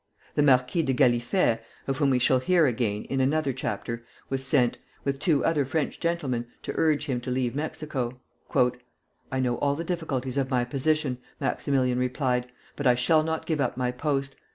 The Marquis de Gallifet (of whom we shall hear again in another chapter) was sent, with two other French gentlemen, to urge him to leave Mexico. "I know all the difficulties of my position," Maximilian replied, "but I shall not give up my post.